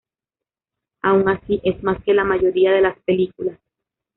Aun así, es más que la mayoría de las películas".